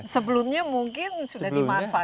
sebelumnya mungkin sudah dimanfaatkan